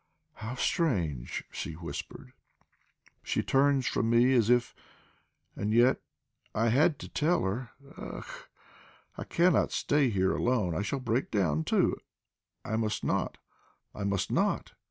"How strange!" she whispered. "She turns from me as if and yet I had to tell her! Ugh! I cannot stay here alone. I shall break down, too, and I must not. I must not.